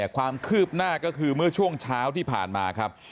ความคืบหน้าก็คือเมื่อช่วงเช้าที่ผ่านมาครับ